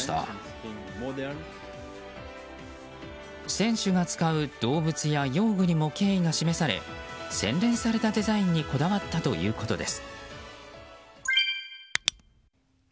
選手が使う動物や用具にも敬意が示され洗練されたデザインにこだわったということです。